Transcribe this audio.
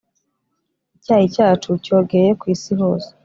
Icyayi cyacu cyogeye ku isi hose